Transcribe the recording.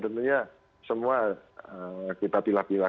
tentunya semua kita tilah tilah